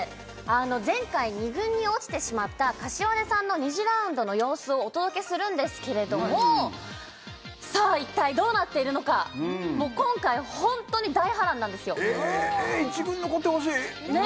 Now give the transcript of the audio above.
前回２軍に落ちてしまった膳さんの２次ラウンドの様子をお届けするんですけれどもさあ一体どうなっているのかもう今回ホントに大波乱なんですよええ